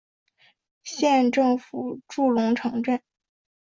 县政府驻龙城镇。